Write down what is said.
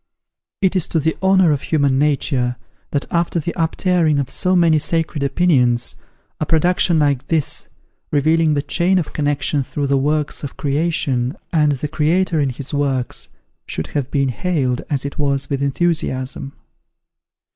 It is to the honour of human nature, that after the uptearing of so many sacred opinions, a production like this, revealing the chain of connection through the works of Creation, and the Creator in his works, should have been hailed, as it was, with enthusiasm.